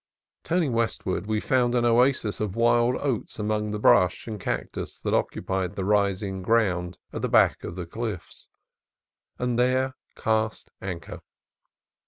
Turning westward we found an oasis of wild oats among the brush and cactus that occupied the rising ground at the back of the cliffs, and there cast anchor.